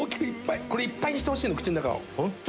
いっぱいにしてほしいの口の中。